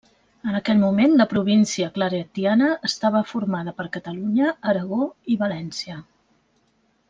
En aquell moment la província claretiana estava formada per Catalunya, Aragó i València.